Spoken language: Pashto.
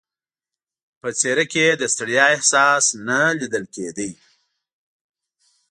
په څېره کې یې د ستړیا احساس نه لیدل کېده.